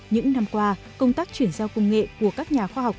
những năm qua công tác chuyển giao công nghệ của các nhà khoa học